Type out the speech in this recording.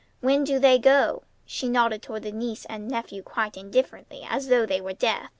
When do they go?" She nodded toward the niece and nephew quite indifferently as though they were deaf.